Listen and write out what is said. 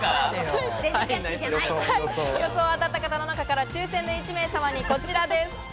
予想を当たった方の中から抽選で１名様にこちらです。